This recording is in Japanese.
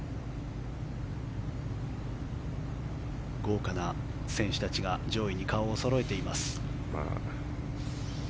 豪華な選手たちが上位に顔をそろえています。